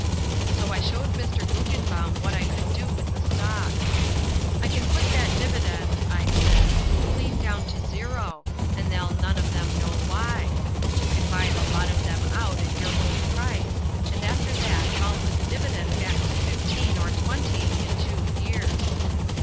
So I showed Mr. Guggenbaum what I could do with the stock. "I can put that dividend," I says, "clean down to zero and they'll none of them know why. You can buy the lot of them out at your own price, and after that I'll put the dividend back to fifteen, or twenty, in two years."